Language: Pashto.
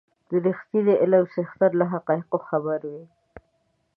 د رښتيني علم څښتن له حقایقو خبر وي.